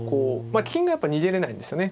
金がやっぱ逃げれないんですよね。